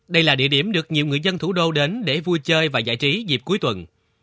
đây là địa điểm được nhiều người dân thủ đô đến để vui chơi và giải trí dịp cuối tuần